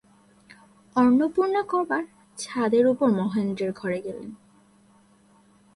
অন্নপূর্ণা কবার ছাদের উপর মহেন্দ্রের ঘরে গেলেন।